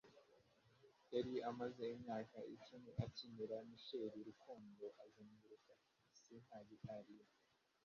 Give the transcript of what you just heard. Yari amaze imyaka icumi akinira Michael Rukundo azenguruka isi nka gitari ye